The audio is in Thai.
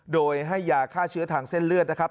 โดยให้ยาฆ่าเชื้อทางเส้นเลือดนะครับ